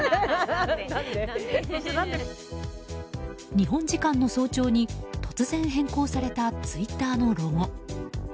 日本時間の早朝に突然変更されたツイッターのロゴ。